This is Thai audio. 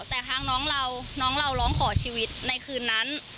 แต่ทางน้องเราน้องเราร้องขอชีวิตในคืนนั้น